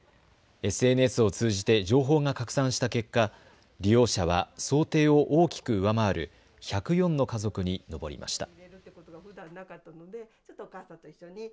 ＳＮＳを通じて情報が拡散した結果、利用者は想定を大きく上回る１０４の家族に上りました。